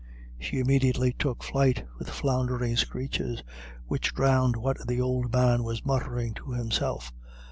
She immediately took flight with floundering screeches, which drowned what the old man was muttering to himself.